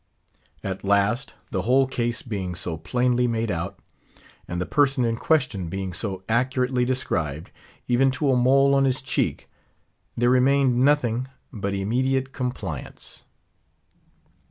At last, the whole case being so plainly made out, and the person in question being so accurately described, even to a mole on his cheek, there remained nothing but immediate compliance.